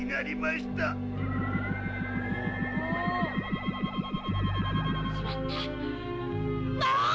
しまった魔王！